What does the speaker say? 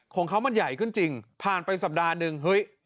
ของเขามันใหญ่ขึ้นจริงผ่านไปสัปดาห์หนึ่งเฮ้ย